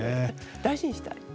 大事にしたい。